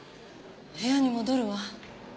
部屋に戻るわ。